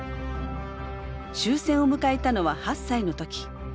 終戦を迎えたのは８歳の時。